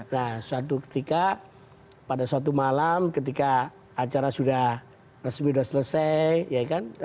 nah suatu ketika pada suatu malam ketika acara sudah resmi sudah selesai ya kan